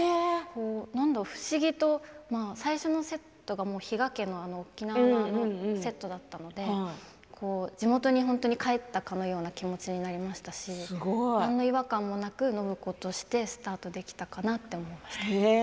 不思議と最初のセットがあの比嘉家の沖縄のセットだったので地元に帰ったような気になりましたし何の違和感もなく暢子としてスタートできたかなと思いました。